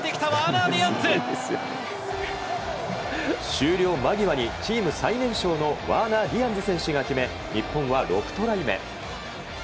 終了間際にチーム最年少のワーナー・ディアンズ選手が決め日本は６トライ目。